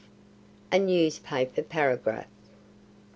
A NEWSPAPER PARAGRAPH.